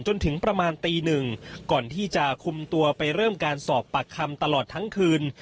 จนถึงประมาณตีหนึ่งก่อนที่จะคุมตัวไปเริ่มการสอบปากคำตลอดทั้งคืน